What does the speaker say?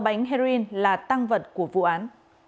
sáu bánh heroin là tăng vật của vụ án